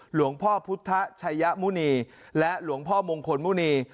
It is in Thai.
หลวงพ่อพุทธชัยมุณีและหลวงพ่อมงคลมุณี